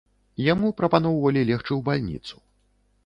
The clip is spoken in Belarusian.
Яму прапаноўвалі легчы ў бальніцу.